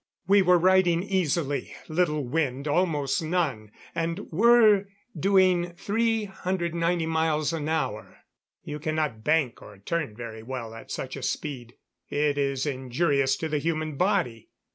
We were riding easily little wind, almost none and were doing 390 miles an hour. You cannot bank or turn very well at such a speed; it is injurious to the human body.